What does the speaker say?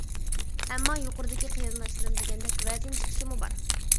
ئەمما يۇقىرىدىكى قېرىنداشلىرىم دېگەندەك، ۋەزىن چېقىشمۇ بار.